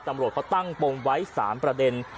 ตำรวจเขาตั้งปมไว้๓ประเด็น